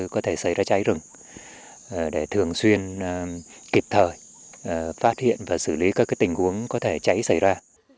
có thể xảy ra cháy rừng để thường xuyên kịp thời phát hiện và xử lý các tình huống có thể cháy xảy ra